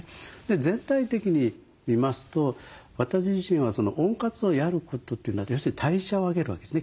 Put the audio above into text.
全体的に見ますと私自身は温活をやることというのは要するに代謝を上げるわけですね